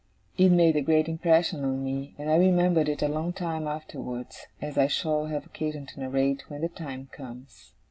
It made a great impression on me, and I remembered it a long time afterwards; as I shall have occasion to narrate when the time comes.